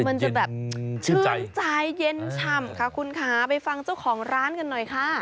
มันจะแบบชื่นใจเย็นฉ่ำค่ะคุณค่ะไปฟังเจ้าของร้านกันหน่อยค่ะ